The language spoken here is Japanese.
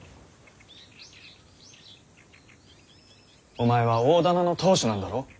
お前は大店の当主なんだろう？